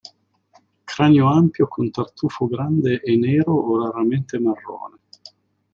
Cranio ampio con tartufo grande e nero o raramente marrone.